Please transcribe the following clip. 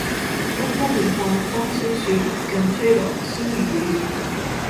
東風夜放花千樹，更吹落、星如雨